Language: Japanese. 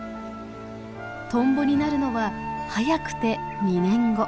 トンボになるのは早くて２年後。